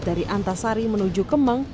dari antasari menuju kemang